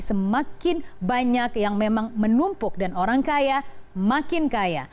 semakin banyak yang memang menumpuk dan orang kaya makin kaya